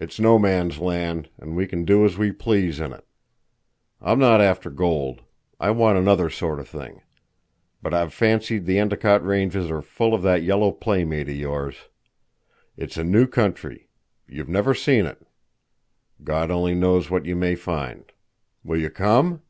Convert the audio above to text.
It's No Man's Land, and we can do as we please in it. I'm not after gold. I want another sort of thing. But I've fancied the Endicott ranges are full of that yellow playmate of yours. It's a new country. You've never seen it. God only knows what you may find. Will you come?"